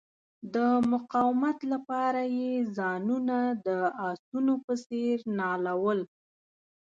د مقاومت لپاره یې ځانونه د آسونو په څیر نالول.